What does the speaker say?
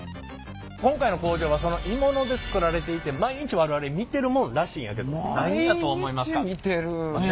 今回の工場はその鋳物で作られていて毎日我々見てるもんらしいんやけど何やと思いますか。